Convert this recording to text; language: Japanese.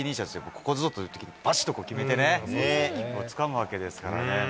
ここぞというとき、ばしっと決めてね、切符をつかむわけですからね。